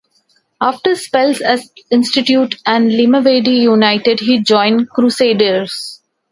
After spells at Institute and Limavady United, he joined Crusaders.